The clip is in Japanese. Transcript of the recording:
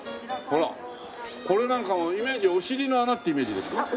これなんかイメージお尻の穴っていうイメージですか。